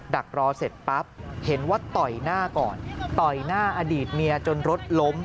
ดักรอเสร็จปั๊บเห็นว่าต่อยหน้าก่อนต่อยหน้าอดีตเมียจนรถล้ม